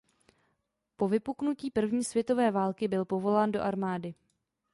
Po vypuknutí první světové války byl povolán do armády.